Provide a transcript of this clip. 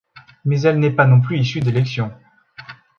Mais elle n'est pas non plus issue d'élections.